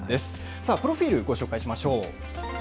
さあ、プロフィールご紹介しましょう。